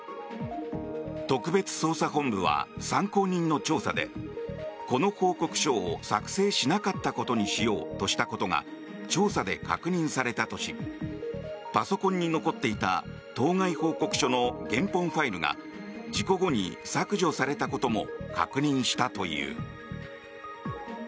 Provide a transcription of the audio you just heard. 特別捜査本部は参考人の調査でこの報告書を作成しなかったことにしようとしたことが調査で確認されたとしパソコンに残っていた当該報告書の原本ファイルが事故後に削除されたことも確認したという。